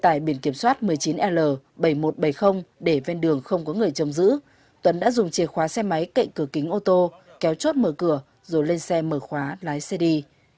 tại biển kiểm soát một mươi chín l bảy nghìn một trăm bảy mươi để ven đường không có người chông giữ tuấn đã dùng chìa khóa xe máy cậy cửa kính ô tô kéo chốt mở cửa rồi lên xe mở khóa lái xe đi